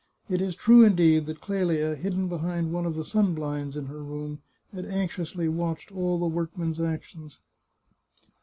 It is true, indeed, that Clelia, hidden behind one of the sun blinds in her room, had anxiously watched all the workman's actions.